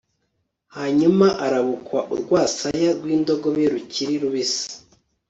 hanyuma arabukwa urwasaya rw'indogobe rukiri rubisi